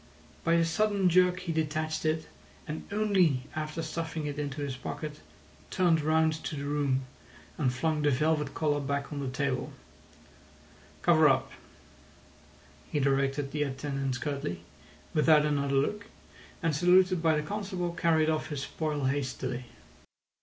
By a sudden jerk he detached it, and only after stuffing it into his pocket turned round to the room, and flung the velvet collar back on the table— "Cover up," he directed the attendants curtly, without another look, and, saluted by the constable, carried off his spoil hastily.